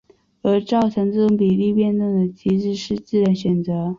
而造成这种比例变动的机制是自然选择。